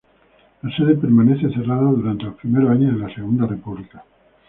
La sede permanece cerrada durante los primeros años de la Segunda República.